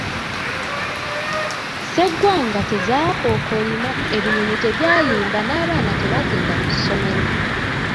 Ssegwanga tezaakookolima, ebinyonyi tebyayimba n'abaana tebagenda ku ssomero.